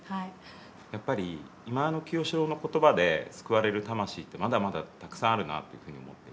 やっぱり忌野清志郎の言葉で救われる魂ってまだまだたくさんあるなというふうに思っていて。